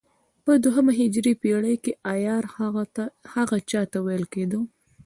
په دوهمه هجري پېړۍ کې عیار هغه چا ته ویل کېده.